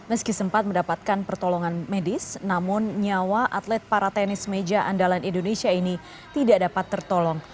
meski sempat mendapatkan pertolongan medis namun nyawa atlet para tenis meja andalan indonesia ini tidak dapat tertolong